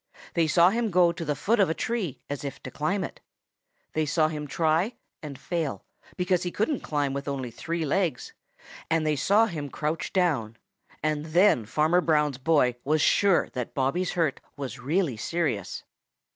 They saw him go to the foot of a tree as if to climb it. They saw him try and fail, because he couldn't climb with only three legs, and they saw him crouch down then that Farmer Brown's boy was sure that Bobby's hurt was really serious.